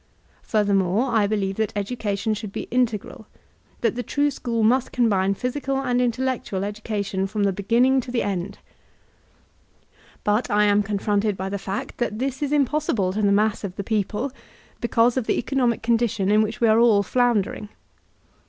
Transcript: Furthermore, I believe that education should be integral; that the true schcx>l must combine physical and intellectual education from the be ginning to the end. But I am confronted by tfie fact MODEIN EDUCATIONAL REFORM 337 that this is impossible to the mass of the people, because of the economic condition in which we are all floundering.